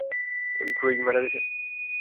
Druig মারা গেছে।